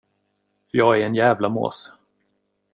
För jag är en jävla mås.